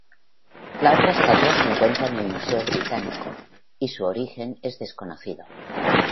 La otra estatua se encuentra en el Museo Británico, y su origen es desconocido.